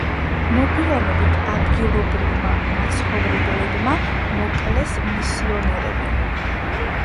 მოგვიანებით ადგილობრივმა მაცხოვრებლებმა მოკლეს მისიონერები.